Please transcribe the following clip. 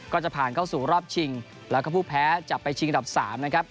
ก็จะผ่านเข้าสู่รอบชิงแล้วก็ผู้แพ้จะไปชิงอันดับ๓นะครับ